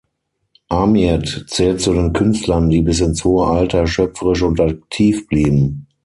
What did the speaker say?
Amiet zählt zu den Künstlern, die bis ins hohe Alter schöpferisch und aktiv blieben.